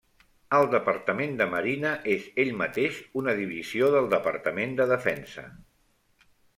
El Departament de Marina és ell mateix una divisió del Departament de Defensa.